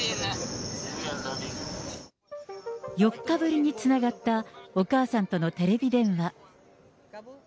４日ぶりにつながったお母さんとのテレビ電話。